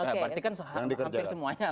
berarti kan hampir semuanya